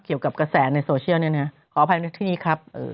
เกี่ยวกับกระแสในโซเชียลเนี่ยนะขออภัยในที่นี้ครับ